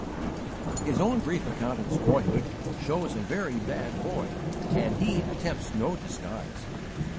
His own brief account of his boyhood shows a very bad boy and he attempts no disguise.